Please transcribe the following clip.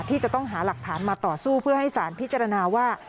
ที่จะต้องหาหลักฐานมาต่อสู้เพื่อให้สารพิจารณาว่า